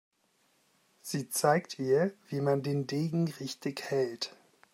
Sie zeigt ihr, wie man den Degen richtig hält.